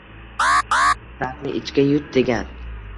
Dardni ichga yut, degan.